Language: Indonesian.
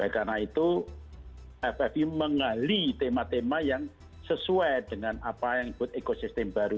karena itu ffi mengali tema tema yang sesuai dengan apa yang disebut ekosistem baru